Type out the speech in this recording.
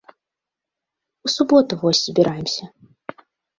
У суботу вось збіраемся.